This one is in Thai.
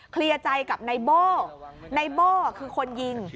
เคลียร์ใจกับนายโบ้ในโบ้คือคนยิง